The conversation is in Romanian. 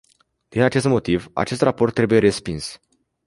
Din acest motiv, acest raport trebuie respins.